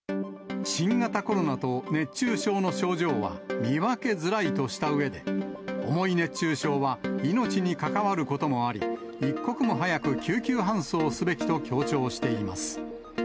新型コロナと熱中症の症状は見分けづらいとしたうえで、重い熱中症は命に関わることもあり、一刻も早く救急搬送すべきと強調しています。